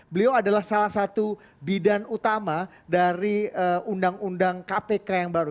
beliau adalah salah satu bidan utama dari undang undang kpk yang baru